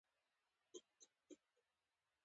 کچېرې ملالې دا کار